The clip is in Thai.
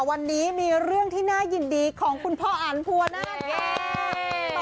วันนี้มีเรื่องที่น่ายินดีของคุณพ่ออันภูวนาศค่ะ